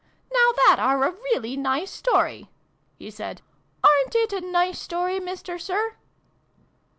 "Now that are a really nice story!" he said. " Arerit it a nice story, Mister Sir